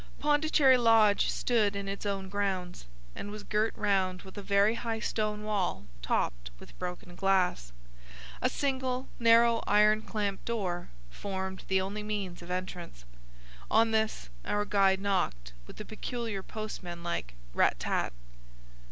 Pondicherry Lodge stood in its own grounds, and was girt round with a very high stone wall topped with broken glass. A single narrow iron clamped door formed the only means of entrance. On this our guide knocked with a peculiar postman like rat tat.